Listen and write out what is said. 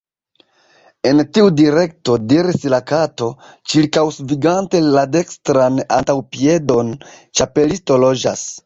"En tiu direkto," diris la Kato, ĉirkaŭsvingante la dekstran antaŭpiedon, "Ĉapelisto loĝas. »